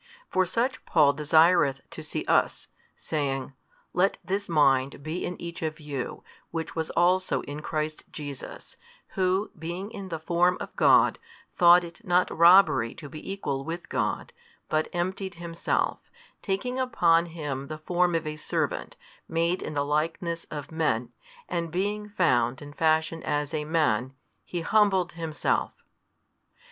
For such Paul desireth to see us, saying, Let this mind be in each of you, which was also in Christ Jesus, Who, being in the Form of God, thought |213 it not robbery to be equal with God; but emptied Himself: taking upon Him the form of a servant, made in the likeness of men, and being found in fashion as a Man, He humbled Himself.